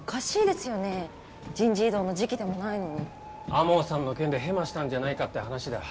天羽さんの件でヘマしたんじゃないかって話だ。